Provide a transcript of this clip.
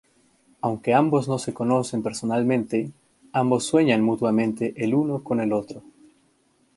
Aunque ambos no se conocen personalmente, ambos sueñan mutuamente el uno con el otro.